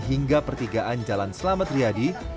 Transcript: hingga pertigaan jalan selamat riyadi